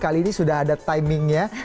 kali ini sudah ada timingnya